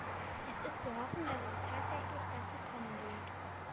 Es ist zu hoffen, dass es tatsächlich dazu kommen wird.